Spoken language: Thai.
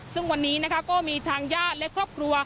ซึ่งวันนี้นะคะก็มีทางญาติและครอบครัว